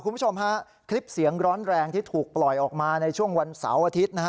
คุณผู้ชมฮะคลิปเสียงร้อนแรงที่ถูกปล่อยออกมาในช่วงวันเสาร์อาทิตย์นะฮะ